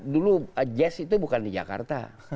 dulu jazz itu bukan di jakarta